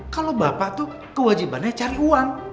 kalau bapak tuh kewajibannya cari uang